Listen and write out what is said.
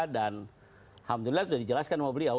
dan alhamdulillah sudah dijelaskan sama beliau